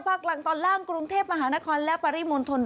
กลางตอนล่างกรุงเทพมหานครและปริมณฑล